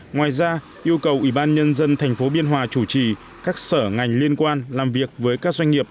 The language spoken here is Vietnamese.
ngoài ra yêu cầu ubnd tp biên hòa chủ trì các sở ngành liên quan làm việc với các doanh nghiệp